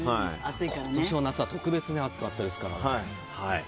今年の夏は特別に暑かったですからね。